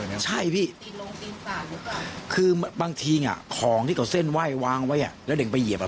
หลังจากนี้หมอปลาไปหยิบสังคมไปไว้ให้เฏิมของพระเจ้า